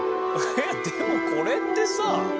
でもこれってさ。